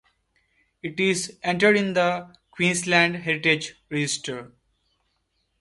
It is entered in the Queensland Heritage Register.